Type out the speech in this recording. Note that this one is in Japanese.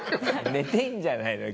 寝てんじゃないのよ